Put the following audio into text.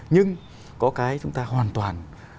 nhưng có cái chúng ta hoàn toàn